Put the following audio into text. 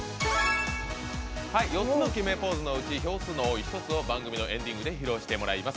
４つの決めポーズのうち票数の多い一つを番組のエンディングで披露してもらいます。